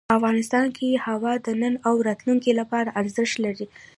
افغانستان کې هوا د نن او راتلونکي لپاره ارزښت لري.